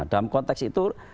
dalam konteks itu